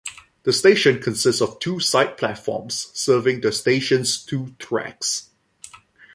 The station consists of two side platforms serving the station's two tracks.